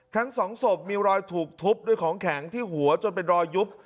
ทั้งสองศพมีรอยถูกทุบด้วยของแข็งที่หัวจนเป็นรอยยุบ